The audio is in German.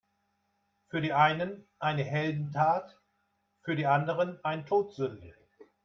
Für die einen eine Heldentat, für die anderen ein Todsünde.